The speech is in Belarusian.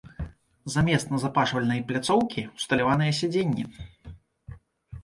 Замест назапашвальнай пляцоўкі ўсталяваныя сядзенні.